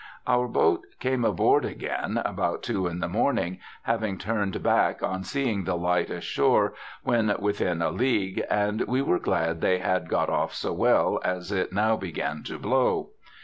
Our boat came aboard again about two in the morning, having turned back on seeing the light ashore when within a league, and we were glad they had got off so well, as it now began to blow.